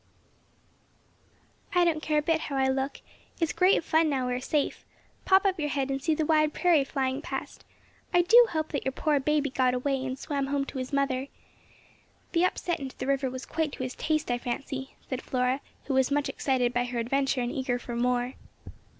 "I don't care a bit how I look. It's great fun now we are safe. Pop up your head and see the wide prairie flying past. I do hope that poor baby got away and swam home to his mother. The upset into the river was quite to his taste, I fancy," said Flora, who was much excited by her adventure and eager for more.